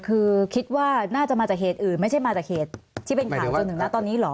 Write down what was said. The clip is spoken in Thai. คือคิดว่าน่าจะมาจากเหตุอื่นไม่ใช่มาจากเหตุที่เป็นข่าวจนถึงนะตอนนี้เหรอ